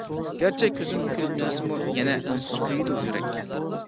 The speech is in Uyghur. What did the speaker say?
گەرچە كۆزۈم كۈلۈپ تۇرسىمۇ، يەنە ئۈنسىز كۆيىدۇ يۈرەك.